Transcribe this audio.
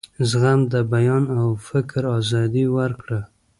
زغم د بیان او فکر آزادي ورکړه.